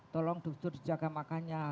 tolong dokter jaga makannya